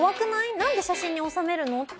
何で写真に収めるの？